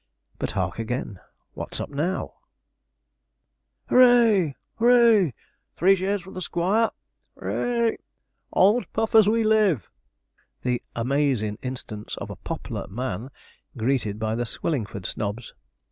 But hark again! What's up now? 'Hooray!' 'hooray!' 'h o o o ray!' 'Three cheers for the Squire! H o o o ray!' Old Puff as we live! The 'amazin' instance of a pop'lar man' greeted by the Swillingford snobs.